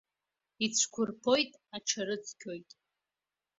Ицәқәырԥоит, аҽарыцқьоит.